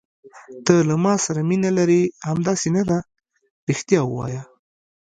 ته له ما سره مینه لرې، همداسې نه ده؟ رښتیا وایه.